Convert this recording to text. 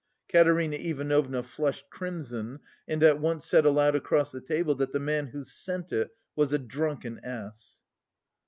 Katerina Ivanovna flushed crimson and at once said aloud across the table that the man who sent it was "a drunken ass!"